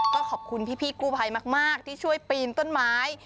ก็ขอบคุณพี่กู้ภัยมากที่ช่วยปีนต้นไม้